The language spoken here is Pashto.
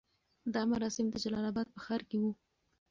دا مراسم د جلال اباد په ښار کې وو.